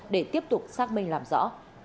để tiếp tục xác minh làm rõ